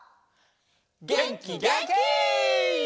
げんきげんき！